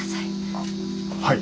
あっはい。